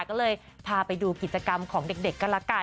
ก็เลยพาไปดูกิจกรรมของเด็กก็ละกัน